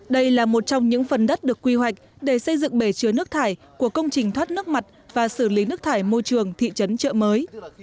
đây là một trong những phần đất được quy hoạch để xây dựng bể chứa nước thải của công trình thoát nước mặt và xử lý nước thải môi trường thị trấn trợ mới